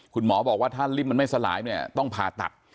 คุณหมอบอกว่าถ้าลิ่มมันไม่สลายเนี่ยต้องผ่าตัด